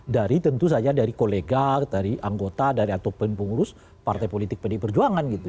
dari tentu saja dari kolega dari anggota dari ataupun pengurus partai politik pdi perjuangan gitu